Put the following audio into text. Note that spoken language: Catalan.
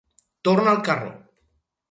Torna el carro.